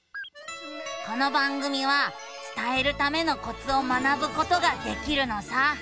この番組は伝えるためのコツを学ぶことができるのさ。